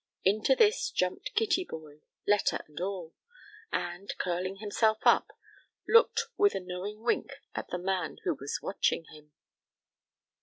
Into this jumped Kittyboy, letter and all, and, curling himself up, looked with a knowing wink at the man who was watching him.